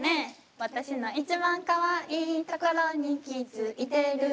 「わたしの一番、かわいいところに気付いてる」